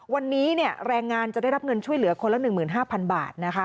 วันนี้แรงงานจะได้รับเงินช่วยเหลือคนละ๑๕๐๐๐บาทนะคะ